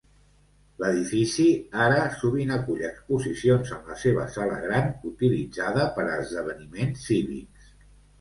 L'edifici ara sovint acull exposicions en la seva sala gran utilitzada per a esdeveniments cívics.